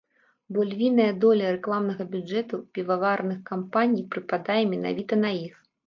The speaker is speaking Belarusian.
Бо львіная доля рэкламнага бюджэту піваварных кампаній прыпадае менавіта на іх.